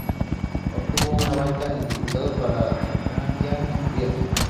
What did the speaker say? Obtuvo una banca en diputados para Vivian Trías.